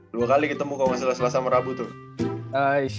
dua kali ketemu kalo nggak selasa sama rabu tuh